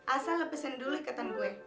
asal lepesin dulu ikatan gue